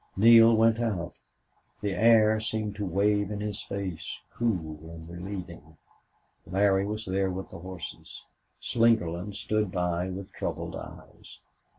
Neale went out. The air seemed to wave in his face, cool and relieving. Larry was there with the horses. Slingerland stood by with troubled eyes.